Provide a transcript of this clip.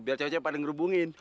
biar ceweknya pada ngerubungin